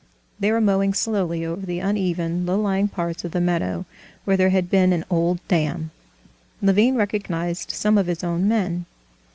They were mowing slowly over the uneven, low lying parts of the meadow, where there had been an old dam. Levin recognized some of his own men.